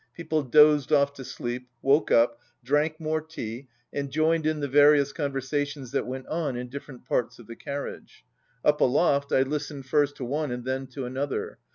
People dozed off to sleep, woke up, drank more tea, and joined in the vari ous conversations that went on in different parts of the carriage. Up aloft, I listened first to one and then to another.